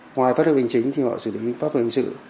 ngoài pháp luật về hình chính thì họ xử lý pháp luật về hình sự